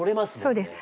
そうです。